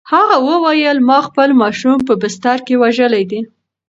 هغې وویل: "ما خپل ماشوم په بستر کې وژلی دی؟"